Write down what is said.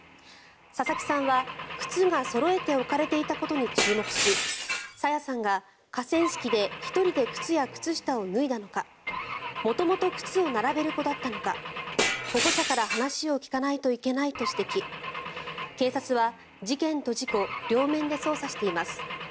佐々木さんは靴がそろえて置かれていたことに注目し朝芽さんが河川敷で１人で靴や靴下を脱いだのか元々靴を並べる子だったのか保護者から話を聞かないといけないと指摘警察は事件と事故両面で捜査しています。